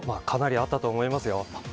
かなりあったと思いますよ。